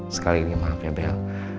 sekali ini maaf ya bel